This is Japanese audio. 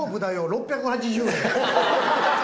６８０円。